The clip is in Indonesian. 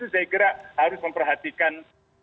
saya harus memperhatikan